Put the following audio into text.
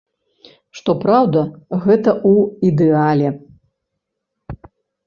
Што праўда, гэта ў ідэале.